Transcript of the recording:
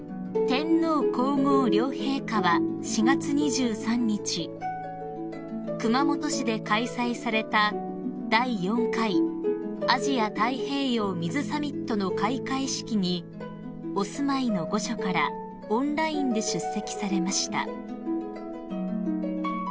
［天皇皇后両陛下は４月２３日熊本市で開催された第４回アジア・太平洋水サミットの開会式にお住まいの御所からオンラインで出席されました］